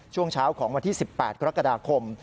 ช่วงเช้าของวันที่๑๘กรกฎาคม